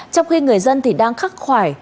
trong khi người dân đang khắc khoải